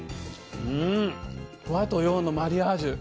和と洋のマリアージュ。